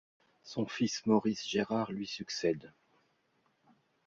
Son fils Maurice Gérard lui succède.